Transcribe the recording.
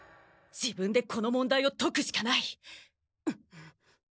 自分でこの問題を解くしかない！